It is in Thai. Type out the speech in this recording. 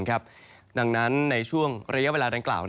ดังนั้นในช่วงระยะเวลาดังกล่าว